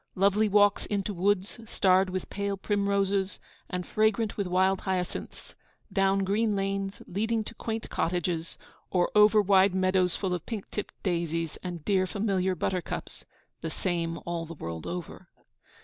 Lovely walks into woods, starred with pale primroses, and fragrant with wild hyacinths; down green lanes, leading to quaint cottages, or over wide meadows full of pink tipped daisies and dear familiar buttercups, the same all the world over.